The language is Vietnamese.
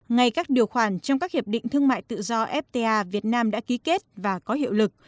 ngay các điều khoản trong các hiệp định thương mại tự do fta việt nam đã ký kết và có hiệu lực